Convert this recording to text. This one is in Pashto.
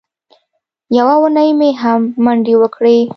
یوه اونۍ مې هم منډې وکړې.